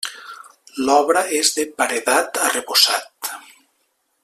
L'obra és de paredat arrebossat.